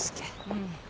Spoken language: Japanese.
うん。